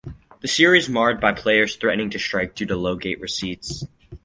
The Series was marred by players threatening to strike due to low gate receipts.